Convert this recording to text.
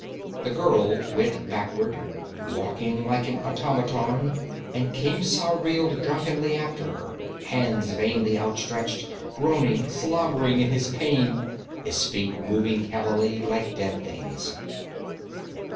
The girl went backward, walking like an automaton, and Khemsa reeled drunkenly after her, hands vainly outstretched, groaning, slobbering in his pain, his feet moving heavily like dead things.